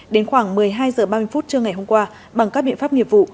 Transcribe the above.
đến khoảng một mươi hai h ba mươi phút trưa ngày hôm qua bằng các biện pháp nghiệp vụ